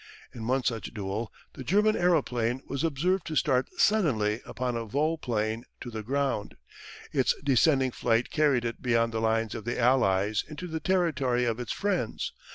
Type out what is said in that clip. In one such duel the German aeroplane was observed to start suddenly upon a vol plane to the ground. Its descending flight carried it beyond the lines of the Allies into the territory of its friends.